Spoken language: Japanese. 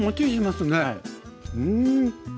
うん。